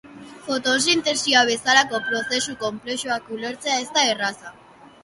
Fotosintesia bezalako prozesu konplexuak ulertzea ez da erreza.